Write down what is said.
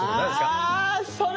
あそれね！